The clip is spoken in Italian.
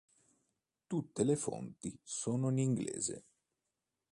Tutte le fonti sono in inglese